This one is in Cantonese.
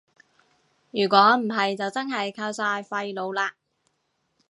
如果唔係就真係靠晒廢老喇